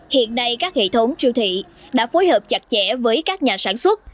hiện nay các hệ thống siêu thị đã phối hợp chặt chẽ với các nhà sản xuất